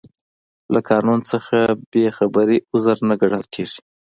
له قانون څخه بې خبري عذر نه ګڼل کیږي.